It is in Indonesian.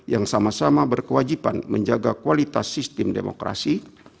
yang sama sama berkewajiban menjaga kualitas sistem demokrasi